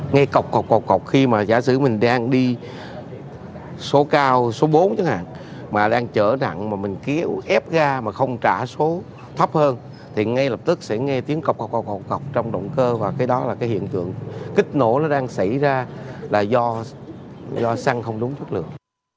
ngay cọc cột cọc khi mà giả sử mình đang đi số cao số bốn chẳng hạn mà đang chở nặng mà mình kéo ép ga mà không trả số thấp hơn thì ngay lập tức sẽ nghe tiếng cọc các con cột cọc trong động cơ và cái đó là cái hiện tượng kích nổ nó đang xảy ra là do xăng không đúng chất lượng